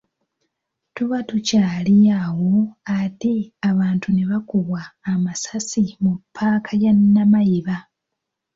Tuba tukyali awo ate abantu ne bakubwa amasasi mu ppaaka ya Namayiba